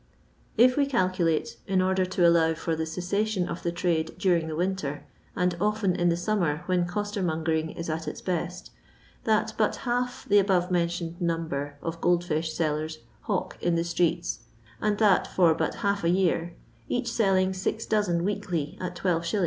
If we calculate, in order to allow for the cessa tion of the trade daring the winter, and often in the summer when costermongering is at its best, that but half the above mentioned number of gold fish sellers hawk in the streets and that for but half a year, each selling six doxen weekly at Vl$.